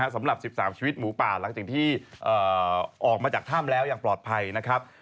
สำหรับ๑๓ชีวิตหมูป่าหลังจากที่ออกมาจากถ้ำแล้วอย่างปลอดภัยนะครับ